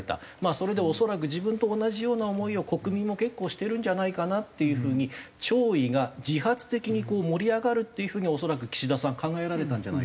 それで恐らく自分と同じような思いを国民も結構してるんじゃないかなっていう風に弔意が自発的に盛り上がるっていう風に恐らく岸田さんは考えられたんじゃないか。